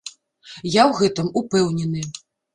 Я ў гэтым ўпэўнены!